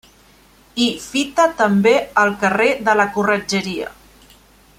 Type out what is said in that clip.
Hi fita també el carrer de la Corretgeria.